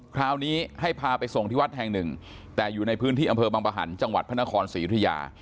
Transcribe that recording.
คราวนี้ให้พาไปส่งที่วัดแห่งหนึ่งแต่อยู่ในพื้นที่อำเภอบังปะหันต์จังหวัดพระนครศรียุธยา